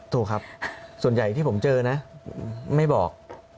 ถูกครับส่วนใหญ่ที่ผมเจอนะไม่บอก